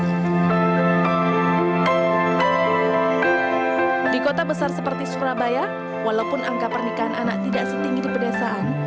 di kota besar seperti surabaya walaupun angka pernikahan anak tidak setinggi di pedesaan